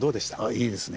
いいですね。